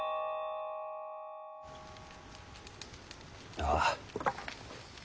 ああ。